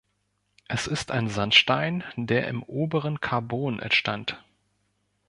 Es ist ein Sandstein, der im Oberen Karbon entstand.